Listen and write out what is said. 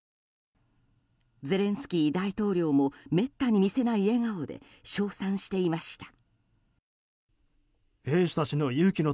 ゼレンスキー大統領もめったに見せない笑顔で賞賛していました。